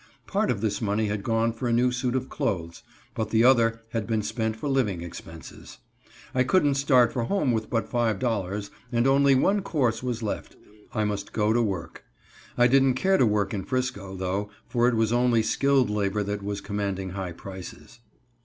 Part of this money had gone for a new suit of clothes, but the other had been spent for living expenses. I couldn't start for home with but $5.00, and only one other course was left I must go to work. I didn't care to work in 'Frisco, though, for it was only skilled labor that was commanding high prices.